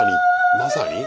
まさに？